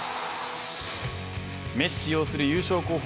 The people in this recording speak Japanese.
メッシ要する優勝候補